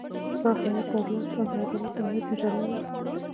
دا هیئت د عدالت او امید مجلې دی.